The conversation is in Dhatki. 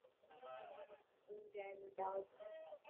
ڪوڻ جائي پيو داوت ۾.